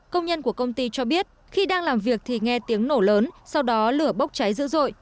công nhân của công ty cho biết khi đang làm việc thì nghe tiếng nổ lớn sau đó lửa bốc cháy dữ dội